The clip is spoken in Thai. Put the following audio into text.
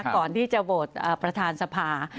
ก่อนที่จะโหวตประธานสภา